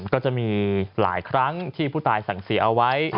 ก็จะมีหลายครั้งที่ผู้ตายสั่งเสียเอาไว้